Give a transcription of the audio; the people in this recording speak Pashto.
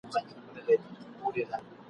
کله کله به یې کور لره تلوار وو ..